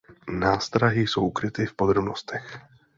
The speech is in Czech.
Nástrahy jsou ukryty v podrobnostech.